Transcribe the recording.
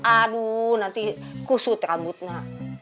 aduh nanti kusut rambutnya